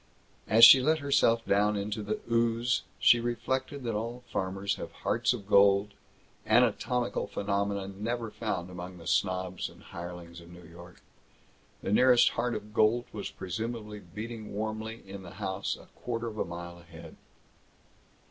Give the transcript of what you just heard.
As she let herself down into the ooze, she reflected that all farmers have hearts of gold, anatomical phenomena never found among the snobs and hirelings of New York. The nearest heart of gold was presumably beating warmly in the house a quarter of a mile ahead.